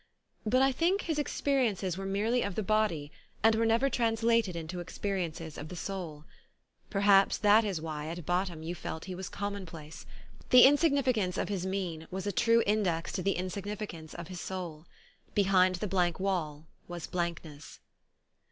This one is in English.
But I think his experiences were merely of the body and were never translated into experi ences of the soul. Perhaps that is why at bottom you felt he was commonplace. The insignificance of his mien was a true index to the insignificance of his soul. Behind the blank wall was blankness.